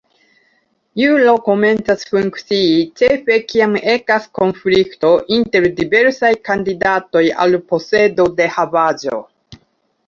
Juro komencas funkcii ĉefe kiam ekas konflikto inter diversaj kandidatoj al posedo de havaĵo.